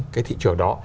cái thị trường đó